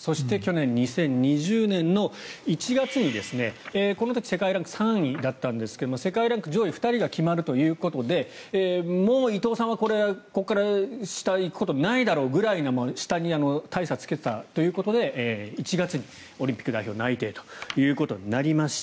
そして去年２０２０年の１月にこの時世界ランク３位だったんですが世界ランク上位２人が決まるということで伊藤さんはここから下に行くことがないだろうぐらい下に大差をつけていたということで１月にオリンピック代表内定となりました。